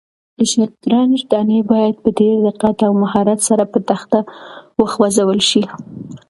د شطرنج دانې باید په ډېر دقت او مهارت سره په تخته وخوځول شي.